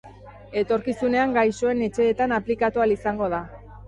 Etorkizunean gaixoen etxeetan aplikatu ahal izango da.